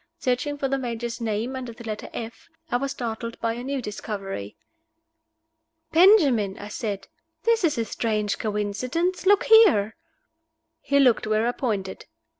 Searching for the Major's name under the letter F, I was startled by a new discovery. "Benjamin!" I said. "This is a strange coincidence. Look here!" He looked where I pointed.